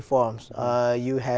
nó rất khó